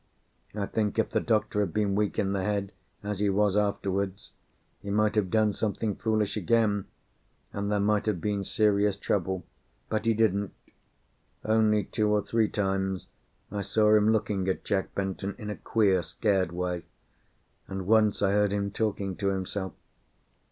I think, if the doctor had been weak in the head, as he was afterwards, he might have done something foolish again, and there might have been serious trouble. But he didn't. Only, two or three times, I saw him looking at Jack Benton in a queer, scared way, and once I heard him talking to himself.